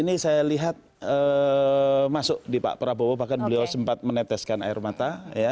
ini saya lihat masuk di pak prabowo bahkan beliau sempat meneteskan air mata